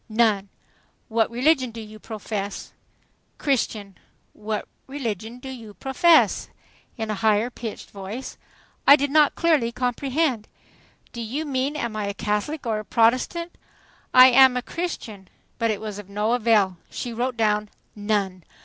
"None." "What religion do you profess?" "Christian." "What religion do you profess?" in a higher pitched voice. I did not clearly comprehend. "Do you mean 'Am I a Catholic or a Protestant?' I am a Christian." But it was of no avail. She wrote down, "None."